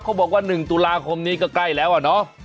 บอกว่า๑ตุลาคมนี้ก็ใกล้แล้วอะเนาะ